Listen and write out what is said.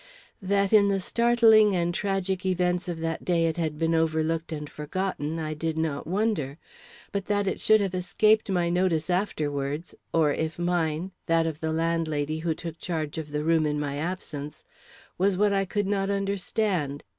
That in the startling and tragic events of that day it had been overlooked and forgotten, I did not wonder. But that it should have escaped my notice afterwards, or if mine, that of the landlady who took charge of the room in my absence, was what I could not understand.